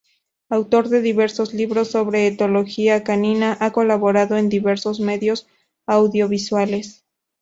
Autor de diversos libros sobre etología canina, ha colaborado en diversos medios audiovisuales.